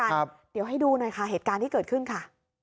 โรงเรียนเดียวกันเดี๋ยวให้ดูหน่อยค่ะเหตุการณ์ที่เกิดขึ้นค่ะ